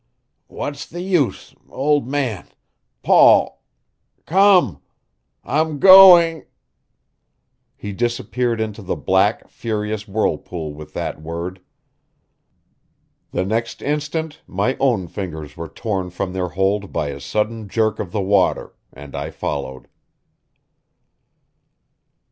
"What's the use old man Paul come I'm going " He disappeared into the black, furious whirlpool with that word. The next instant my own fingers were torn from their hold by a sudden jerk of the water, and I followed.